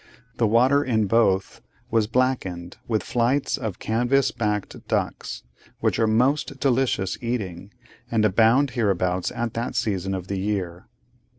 The water in both was blackened with flights of canvas backed ducks, which are most delicious eating, and abound hereabouts at that season of the year.